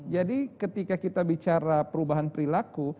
jadi ketika kita bicara perubahan perilaku